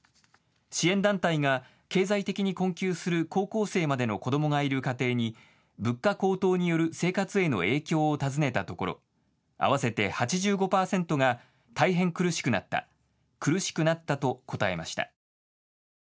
支援団体が経済的に困窮する高校生までの子どもがいる家庭に物価高騰による生活への影響を尋ねたところ合わせて８５％が大変苦しくなった、苦しくなったと答えました。